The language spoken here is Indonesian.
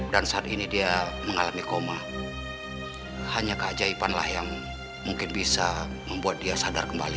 dan saat ini dia mengalami koma hanya keajaibanlah yang mungkin bisa membuat dia sadar kembali